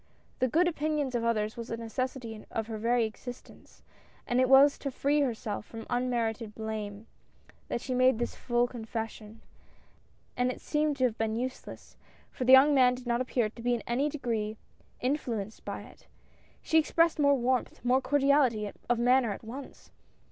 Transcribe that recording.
The good opinions of others was a necessity of her very existence, and it was to free her self from unmerited blame, that she had made this full confession, and it seemed to have been useless, for the young man did not appear to be in any degree influ enced by it. She expected more warmth, more cordi ality of manner at once.